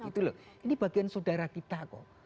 ini bagian saudara kita kok